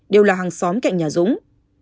đều là hàng xóm cạnh nhà dũng